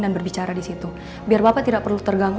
dan berbicara di situ biar bapak tidak perlu terganggu